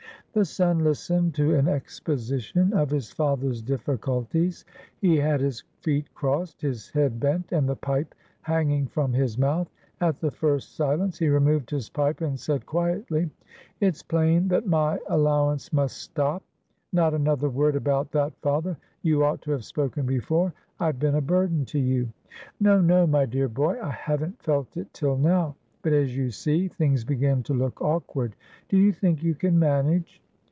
The son listened to an exposition of his father's difficulties; he had his feet crossed, his head bent, and the pipe hanging from his mouth. At the first silence, he removed his pipe and said quietly: "It's plain that my allowance must stop. Not another word about that, father. You ought to have spoken before; I've been a burden to you." "No, no, my dear boy! I haven't felt it till now. But, as you see, things begin to look awkward. Do you think you can manage?"